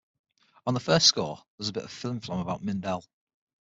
On the first score: there is a bit of flim-flam about Mindell.